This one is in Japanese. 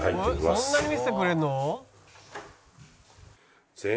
「そんなに見せてくれるの？」